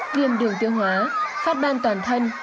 viêm đường tiêu hóa phát ban toàn thân